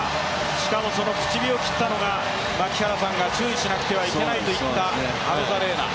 しかもその口火を切ったのが槙原さんが注意しなければいけないと言ったアロザレーナ。